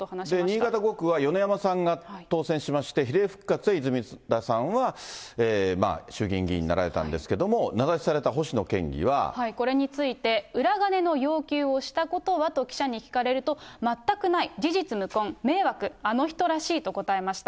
新潟５区は米山さんが当選しまして、比例復活で泉田さんは衆議院議員になられたんですけども、これについて、裏金の要求をしたことはと記者に聞かれると、全くない、事実無根、迷惑、あの人らしいと答えました。